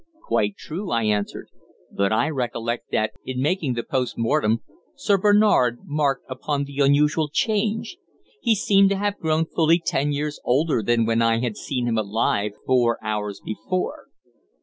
"Quite true," I answered. "But I recollect that, in making the post mortem, Sir Bernard remarked upon the unusual change. He seemed to have grown fully ten years older than when I had seen him alive four hours before."